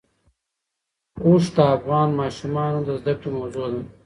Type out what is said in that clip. اوښ د افغان ماشومانو د زده کړې موضوع ده.